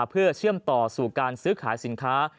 เพื่อเชื่อมต่อสู่การซื้อขายสินค้า